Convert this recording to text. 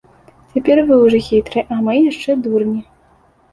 Цяпер вы ўжо хітрыя, а мы яшчэ дурні.